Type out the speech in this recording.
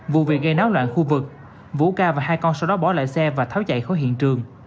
vụ việc gây náo loạn khu vực vũ ca và hai con sau đó bỏ lại xe và tháo chạy khỏi hiện trường